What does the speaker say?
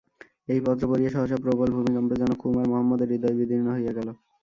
এই পত্র পড়িয়া সহসা প্রবল ভূমিকম্পে যেন কুমার মহম্মদের হৃদয় বিদীর্ণ হইয়া গেল।